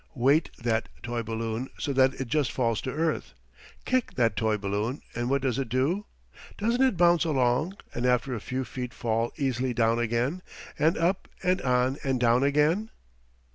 Weight that toy balloon so that it just falls to earth. Kick that toy balloon and what does it do? Doesn't it bounce along, and after a few feet fall easily down again, and up and on and down again?